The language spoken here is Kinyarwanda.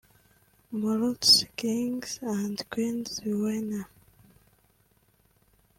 Moroots – Kings and Queens (Winner)